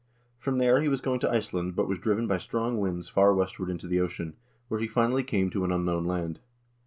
From there he was going to Iceland, but was driven by strong winds far westward into the ocean, where he finally came to an unknown land.